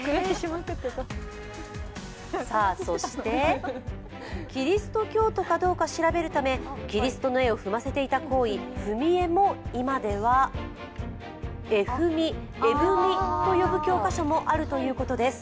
そして、キリスト教徒かどうか調べるためキリストの絵を踏ませていた行為、踏み絵も今では絵踏と呼ぶ教科書もあるということです。